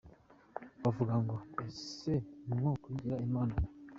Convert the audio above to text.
Bavuga ngo “Ese mwo kagira Imana mwe.